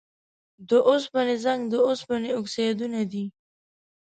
د اوسپنې زنګ د اوسپنې اکسایدونه دي.